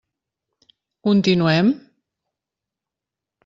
Continuem?